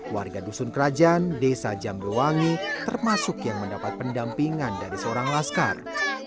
warga dusun kerajaan desa jambewangi termasuk yang mendapat pendampingan dari seorang laskar